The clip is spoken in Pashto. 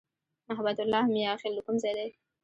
محبت الله "میاخېل" د کوم ځای دی؟